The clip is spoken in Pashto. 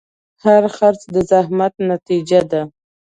هر خرڅ د زحمت نتیجه ده.